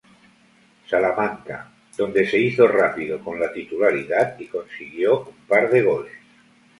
Salamanca, donde se hizo rápido con la titularidad y consiguió un par de goles.